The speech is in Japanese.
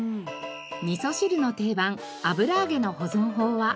みそ汁の定番油揚げの保存法は。